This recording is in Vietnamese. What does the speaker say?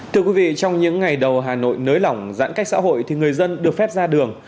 thưa quý vị trong những ngày đầu hà nội nới lỏng giãn cách xã hội thì người dân được phép ra đường